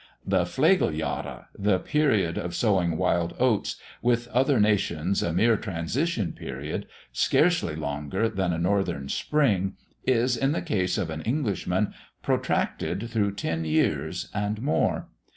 The 'Flegeljahre' the period of sowing wild oats with other nations a mere transition period, scarcely longer than a northern spring, is, in the case of an Englishman, protracted through ten years and more.